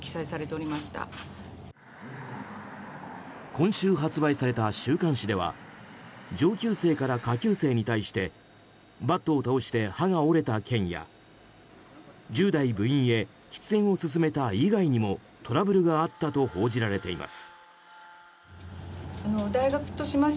今週発売された週刊誌では上級生から下級生に対してバットを倒して歯が折れた件や１０代部員へ喫煙を勧めた以外にもトラブルがあったと報じられています。